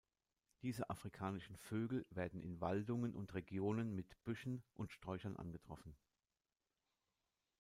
Diese afrikanischen Vögel werden in Waldungen und Regionen mit Büschen und Sträuchern angetroffen.